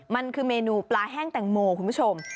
มันคือเมนูปลาแห้งแตงโมคุณผู้ชม